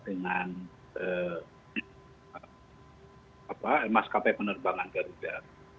dengan mas kp penerbangan garuda